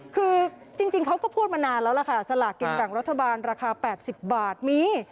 คือจริงเขาก็พูดมานานแล้วล่ะค่ะสลากกินแบ่งรัฐบาลราคา๘๐บาทมี